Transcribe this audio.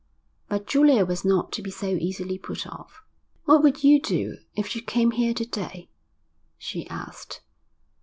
But Julia was not to be so easily put off. 'What would you do if she came here to day?' she asked.